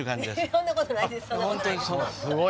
そんなことないです。